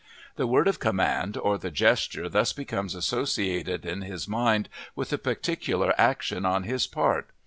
The word of command or the gesture thus becomes associated in his mind with a particular action on his part.